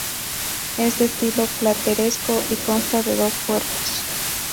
Es de estilo plateresco y consta de dos cuerpos.